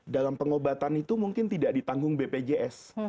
dalam pengobatan itu mungkin tidak ditanggung bpjs